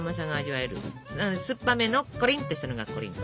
酸っぱめのコリンっとしたのがコリント。